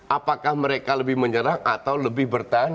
apakah mereka lebih menyerang atau lebih bertahan